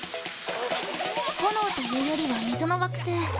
炎というよりは水の惑星。